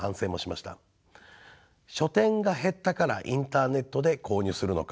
書店が減ったからインターネットで購入するのか。